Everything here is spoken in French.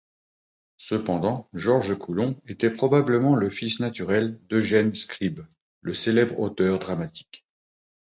Cependant Georges Coulon était probablement le fils naturel d'Eugène Scribe, le célèbre auteur dramatique.